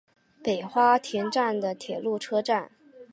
北花田站的铁路车站。